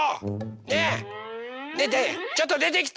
ねえねえちょっとでてきて！